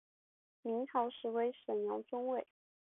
明朝时为沈阳中卫。